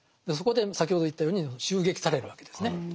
そこで先ほど言ったように襲撃されるわけですね。